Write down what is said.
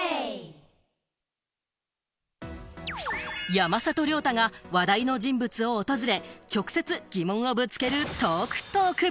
山里亮太が話題の人物を訪れ、直接、疑問をぶつけるｔａｌｋ×ｔａｌｋ。